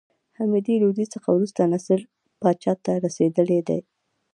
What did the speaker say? حمید لودي څخه وروسته نصر پاچاهي ته رسېدلى دﺉ.